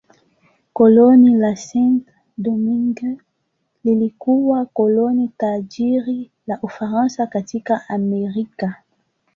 Koloni la Saint-Domingue lilikuwa koloni tajiri la Ufaransa katika Amerika.